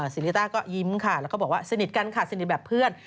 สิริต้าก็ยิ้มค่ะแล้วก็บอกว่าสนิทกันค่ะสนิทแบบเพื่อน